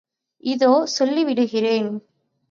இதோ சொல்லி விடுகிறேன்.